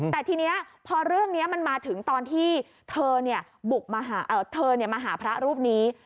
แต่ทีเนี้ยพอเรื่องเนี้ยมันมาถึงตอนที่เธอเนี่ยบุกมาหาเอ่อเธอเนี่ยมาหาพระรูปนี้